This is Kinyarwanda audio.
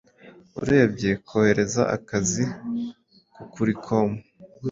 Urebye Kohereza Akazi Kukuricom